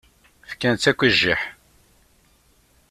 Fkan-tt akk i jjiḥ.